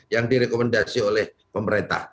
yang direkomendasi oleh pemerintah